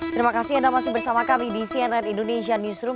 terima kasih anda masih bersama kami di cnn indonesia newsroom